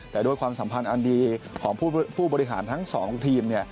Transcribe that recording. แต่ด้วยความสัมพันธ์อันดีของผู้บริหารทั้ง๒ทีม